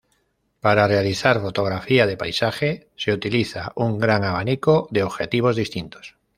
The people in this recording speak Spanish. Para realizar fotografía de paisaje, se utiliza un gran abanico de objetivos distintos.